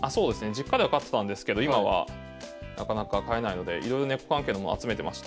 実家では飼ってたんですけど今はなかなか飼えないのでいろいろネコ関係のもの集めてまして。